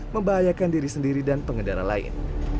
membahayakan diri sendiri dan pengendara lain